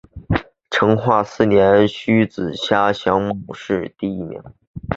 成化四年戊子科陕西乡试第一名。